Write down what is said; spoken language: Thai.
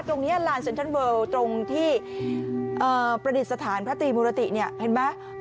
ลานเซ็นทรัลเวิลตรงที่ประดิษฐานพระตรีมุรติเนี่ยเห็นไหม